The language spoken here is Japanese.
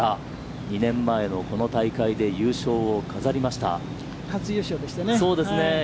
２年前のこの大会で優勝を飾りました。